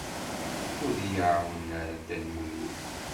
Ur y-iɛawen ara Dda Lmulud.